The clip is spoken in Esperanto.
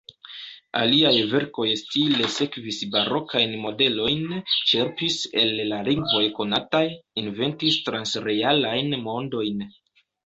Aliaj verkoj stile sekvis barokajn modelojn; ĉerpis el la lingvoj konataj, inventis transrealajn mondojn.